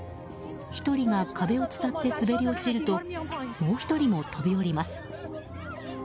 １人が壁を伝って滑り落ちるともう１人も飛び降ります。